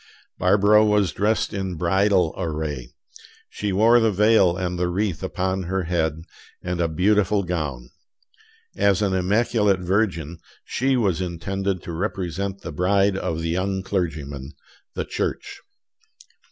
Barbara was dressed in bridal array. She wore the veil and the wreath upon her head, and a beautiful gown. As an immaculate virgin, she was intended to represent the bride of the young clergyman, the Church.